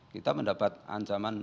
kita mendapat ancaman